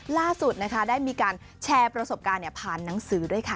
ล่าสุดนะคะได้มีการแชร์ประสบการณ์ผ่านหนังสือด้วยค่ะ